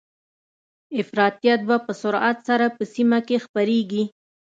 افراطيت به په سرعت سره په سیمه کې خپریږي